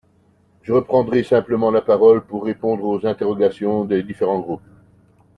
Je reprendrai simplement la parole pour répondre aux interrogations des différents groupes.